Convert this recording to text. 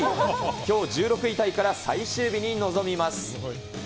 きょう、１６位タイから最終日に臨みます。